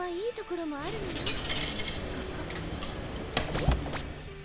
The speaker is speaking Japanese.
へっ？